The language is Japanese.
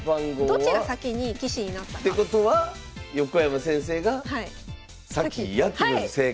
どっちが先に棋士になったか。ってことは横山先生が先やってことで正解！